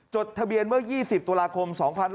จดทะเบียนเมื่อ๒๐ตุลาคม๒๕๖๒